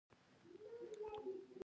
ښي لوري ته ګرځئ